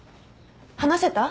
話せた？